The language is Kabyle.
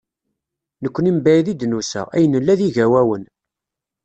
Nekkni mebɛid i d-nusa, ay nella d igawawen.